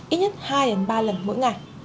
ít nhất hai ba lần mỗi ngày